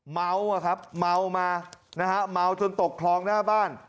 เม้ามาเม้าจนตกคลองหน้าบ้าน